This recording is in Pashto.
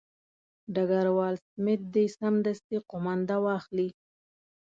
ډګروال سمیت دې سمدستي قومانده واخلي.